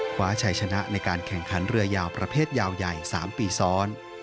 คว้าชัยชนะในการแข่งขันเรือยาวประเภทยาวใหญ่๓ปีซ้อน